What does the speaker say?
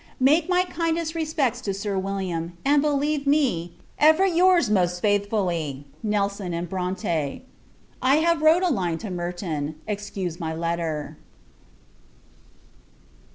Make my kindest respects to Sir William; and believe me, ever, your's most faithfully, NELSON & BRONTE. I have wrote a line to Merton. Excuse my letter.